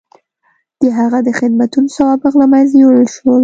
د هغه د خدمتونو سوابق له منځه یووړل شول.